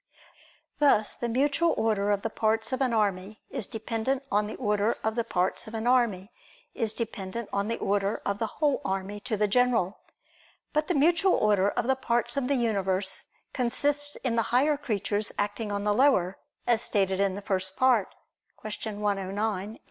Thus the mutual order of the parts of an army is dependent on the order of the parts of an army is dependent on the order of the whole army to the general. But the mutual order of the parts of the universe consists in the higher creatures acting on the lower, as stated in the First Part (Q. 109, A.